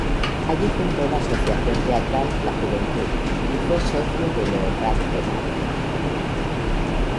Allí fundó la asociación teatral La Juventud y fue socio de Lo Rat Penat.